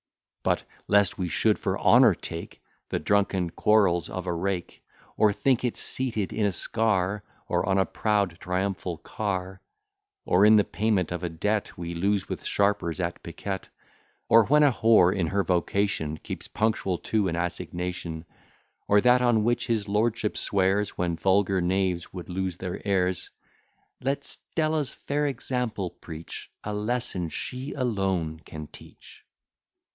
But, lest we should for honour take The drunken quarrels of a rake: Or think it seated in a scar, Or on a proud triumphal car; Or in the payment of a debt We lose with sharpers at piquet; Or when a whore, in her vocation, Keeps punctual to an assignation; Or that on which his lordship swears, When vulgar knaves would lose their ears; Let Stella's fair example preach A lesson she alone can teach.